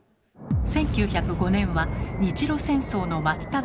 １９０５年は日露戦争の真っただ中。